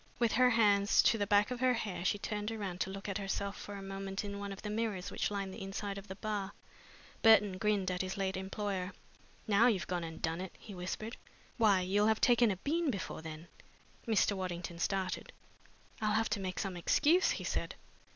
With her hands to the back of her hair she turned round to look at herself for a moment in one of the mirrors which lined the inside of the bar. Burton grinned at his late employer. "Now you've gone and done it!" he whispered. "Why, you'll have taken a bean before then!" Mr. Waddington started. "I'll have to make some excuse," he said.